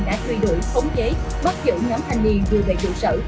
đã truy đuổi khống chế bắt giữ nhóm thành niên vừa về tự sở